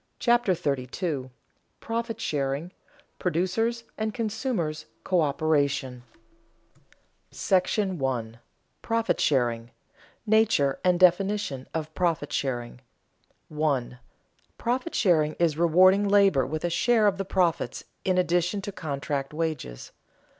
CHAPTER 32 PROFIT SHARING, PRODUCERS' AND CONSUMERS' COÖPERATION § I. PROFIT SHARING [Sidenote: Nature and definition of profit sharing] 1. _Profit sharing is rewarding labor with a share of the profits in addition to contract wages.